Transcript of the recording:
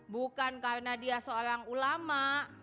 bukan karena dia seorang ulama